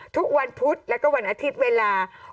ทุกวันพุธแล้วก็วันอาทิตย์เวลา